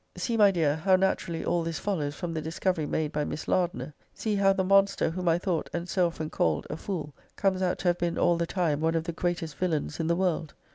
See, my dear, how naturally all this follows from >>> the discovery made by Miss Lardner. See how the monster, whom I thought, and so often called, >>> a fool, comes out to have been all the time one of the greatest villains in the world!